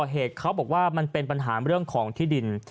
เหตุเขาบอกว่ามันเป็นปัญหาเรื่องของที่ดิน